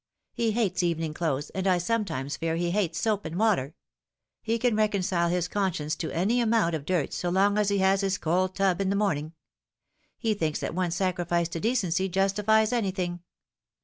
He hates evening clothes, and I sometimes fear he hates soap and water. He can reconcile his conscience to any amount of dirt so long as he has his cold tub in the morning. He thinks that one sacrifice to decency justifies anything.